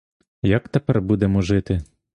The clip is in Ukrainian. Як тепер будемо жити?